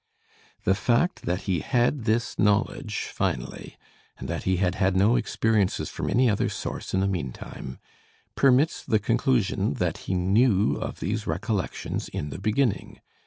The fact that he had this knowledge finally, and that he had had no experiences from any other source in the meantime, permits the conclusion that he knew of these recollections in the beginning.